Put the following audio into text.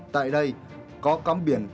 tại đây có cắm biển